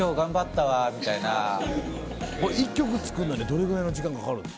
１曲作んのにどれぐらいの時間かかるんですか？